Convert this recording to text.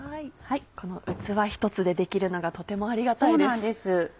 この器ひとつでできるのがとてもありがたいです。